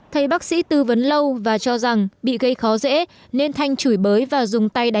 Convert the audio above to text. thầy bác sĩ tư vấn lâu và cho rằng bị gây khó dễ nên thanh chửi bới và dùng tay đá